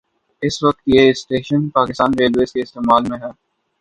اس وقت یہ station Pakistan railways کے استعمال میں ہے